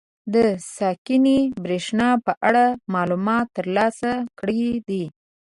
د ساکنې برېښنا په اړه معلومات تر لاسه کړي دي.